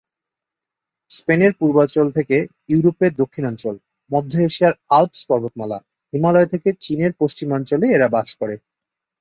স্পেনের পূর্বাঞ্চল থেকে ইউরোপের দক্ষিণাঞ্চল, মধ্য এশিয়ার আল্পস পর্বত মালা, হিমালয় থেকে চীনের পশ্চিমাঞ্চলে এরা বাস করে।